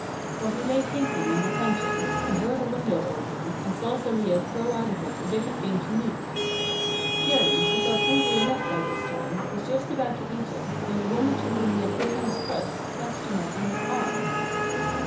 While he lay thinking and repenting, he heard a window open, and saw Zelia throw out of it a bit of dainty meat. Chéri, who felt hungry enough by this time, was just about to eat it, when the woman to whom he had given his crust snatched him up in her arms.